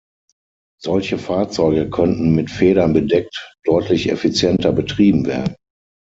Solche Fahrzeuge könnten mit Federn bedeckt deutlich effizienter betrieben werden.